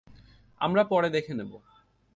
আমরা পরে দেখে নেব।